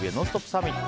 サミット。